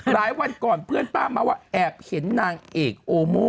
หลายวันก่อนพี่ป้าม้าว่าแอบเห็นนางเอกโอโม่